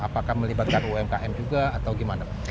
apakah melibatkan umkm juga atau gimana